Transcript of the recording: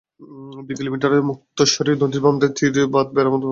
দুই কিলোমিটার দীর্ঘ মুক্তেশ্বরী নদীর বাম তীর বাঁধ মেরামত প্রকল্প বাস্তবায়ন করা হয়েছে।